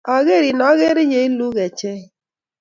Akerin akere yeiluu kecheik.